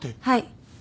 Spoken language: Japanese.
はい。